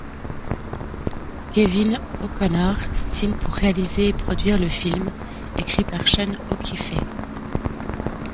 Gavin O'Connor signe pour réaliser et produire le film, écrit par Sean O'Keefe.